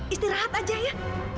istirahat aja ya